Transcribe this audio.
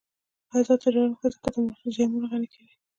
آزاد تجارت مهم دی ځکه چې موزیمونه غني کوي.